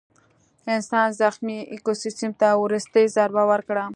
انسان زخمي ایکوسیستم ته وروستۍ ضربه ورکړه.